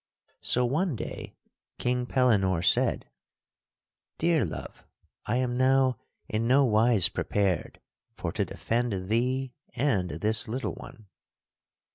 So one day King Pellinore said: "Dear love, I am now in no wise prepared for to defend thee and this little one.